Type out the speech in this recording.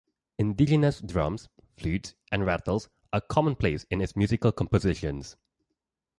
Indigenous drums, flutes, and rattles are commonplace in its musical compositions.